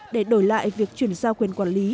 để đổi lại việc chuyển giao quyền quản lý